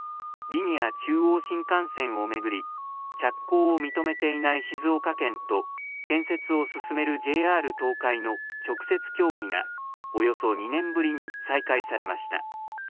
リニア中央新幹線を巡り、着工を認めていない静岡県と、建設を進めるＪＲ東海の直接協議が、およそ２年ぶりに再開されました。